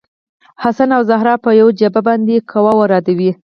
حسن او زهره په یوه جعبه باندې قوه واردوي.